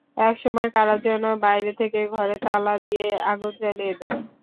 একসময় কারা যেন বাইরে থেকে ঘরে তালা দিয়ে আগুন জ্বালিয়ে দেয়।